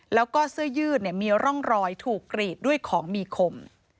แล้วก็เสื้อยืดมีร่องรอยถูกกรีดด้วยของมีคม